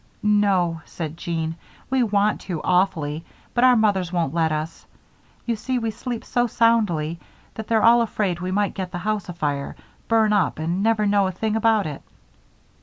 "No" said Jean. "We want to, awfully, but our mothers won't let us. You see, we sleep so soundly that they're all afraid we might get the house afire, burn up, and never know a thing about it."